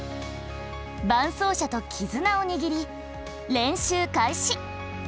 伴走者とキズナを握り練習開始。